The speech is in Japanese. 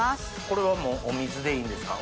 これはお水でいいんですか？